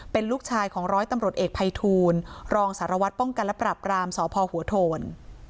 เป็นลูกชายของร้อยตำรวจเอกภัยทูลรองสารวัตรป้องกันและปรับรามสพหัวโทน